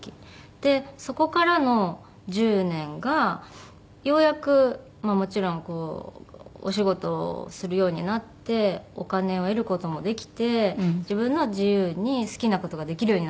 でそこからの１０年がようやくまあもちろんこうお仕事をするようになってお金を得る事もできて自分の自由に好きな事ができるようになってきた時期。